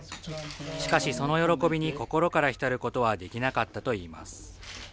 しかしその喜びに心から浸ることはできなかったといいます。